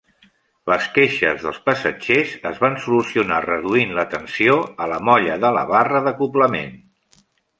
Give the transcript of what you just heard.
Les queixes dels passatgers es van solucionar reduint la tensió a la molla de la barra d'acoblament.